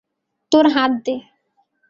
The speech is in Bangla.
তোর হাত দে।